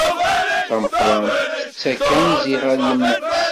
Tameqqrant, tettak anzi ɣer yemma-s.